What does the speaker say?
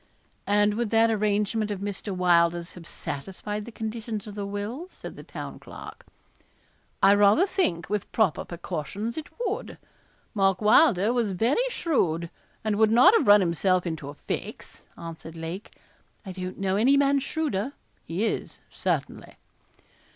'And would that arrangement of Mr. Wylder's have satisfied the conditions of the will?' said the Town Clerk. 'I rather think, with proper precautions, it would. Mark Wylder was very shrewd, and would not have run himself into a fix,' answered Lake. 'I don't know any man shrewder; he is, certainly.'